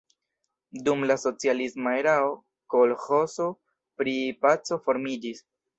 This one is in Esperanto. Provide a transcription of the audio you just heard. Dum la socialisma erao kolĥozo pri "Paco" formiĝis.